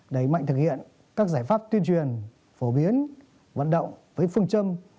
đẩy mạnh thực hiện các giải pháp tuyên truyền phổ biến vận động với phương châm